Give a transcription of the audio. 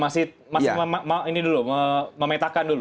masih memetakan dulu